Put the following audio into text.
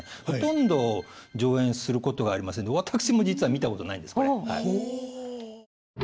ほとんど上演することがありませんで私も実は見たことないんですこれ。